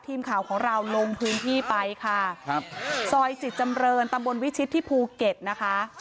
ทีมข่าวของเราลงพื้นที่ไปค่ะครับซอยจิตจำเรินตำบลวิชิตที่ภูเก็ตนะคะ